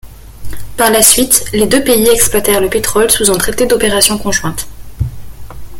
Par la suite, les deux pays exploitèrent le pétrole sous un traité d’opération conjointe.